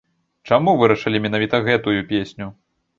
Чаму вырашылі менавіта гэтую песню?